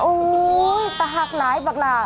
โอ๊ยประหากหลายบักหล่า